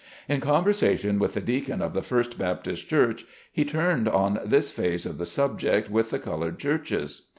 In conversation with the deacon of the First Baptist Church, he turned on this phase of the subject with the colored churches.